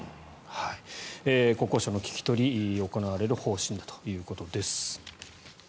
国交省の聞き取り行われる方針だということです。